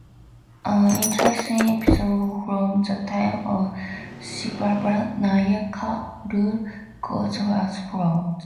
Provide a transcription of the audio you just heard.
An interesting episode from the time of Shivappa Nayaka's rule goes as follows.